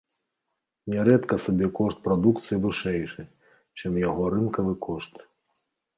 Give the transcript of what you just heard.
Нярэдка сабекошт прадукцыі вышэйшы, чым яго рынкавы кошт.